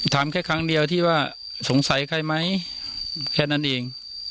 ถามแค่ครั้งเดียวที่ว่าสงสัยใครไหมแค่นั้นเอง